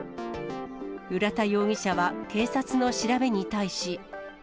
浦田容疑者は警察の調べに対し。